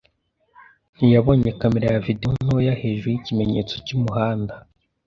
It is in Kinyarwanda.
Ntiyabonye kamera ya videwo ntoya hejuru yikimenyetso cyumuhanda.